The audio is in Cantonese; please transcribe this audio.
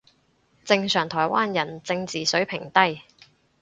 正常台灣人正字水平低